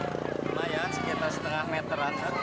lumayan sekitar setengah meteran